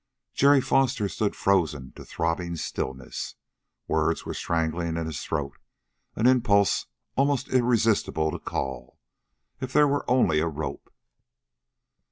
Jerry Foster stood frozen to throbbing stillness. Words were strangling in his throat, an impulse, almost irresistible, to call. If there were only a rope....